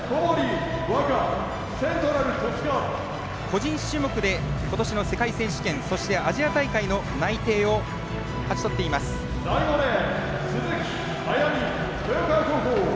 個人種目で、ことしの世界選手権そしてアジア大会の内定を勝ち取っています、小堀。